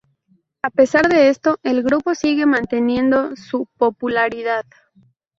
A pesar de esto, el grupo sigue manteniendo su popularidad.